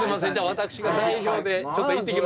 私が代表でちょっと行ってきますんで。